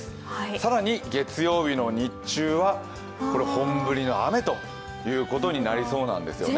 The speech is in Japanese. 更に月曜日の日中は本降りの雨ということになりそうなんですよね。